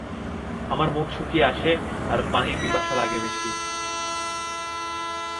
আমার মুখ শুকিয়ে আসে আর পানির পিপাসা লাগে অনেক বেশি।